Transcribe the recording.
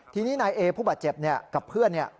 ทีนี้นายเอผู้บาดเจ็บกับเพื่อน